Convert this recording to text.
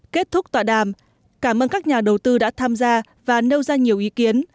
kết thúc tọa đàm cảm ơn các nhà đầu tư đã tham gia và nêu ra nhiều ý kiến